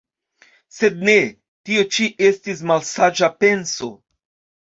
Sed ne, tio ĉi estis malsaĝa penso.